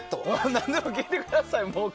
何でも聞いてくださいよ。